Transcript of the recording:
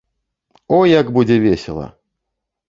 О, як будзе весела!